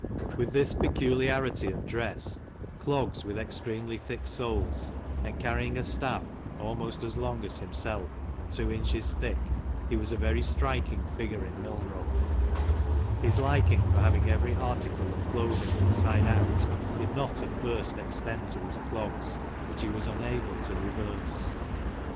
With this peculiarity of dress, clogs with extremely thick soles, and carrying a staff almost as long as himself and two inches thick, he was a very striking figure in Milnrow, His liking for having every article of clothing inside out did not at first extend to his clogs, which he was unable to reverse.